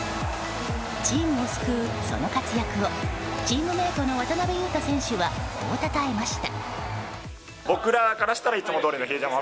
チームを救う、その活躍をチームメートの渡邊雄太選手はこうたたえました。